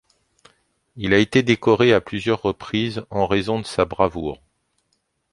Il a été décoré à plusieurs reprises en raison de sa bravoure.